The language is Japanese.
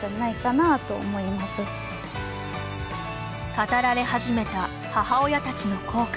語られ始めた母親たちの後悔。